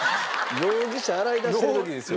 容疑者洗い出してる時ですよ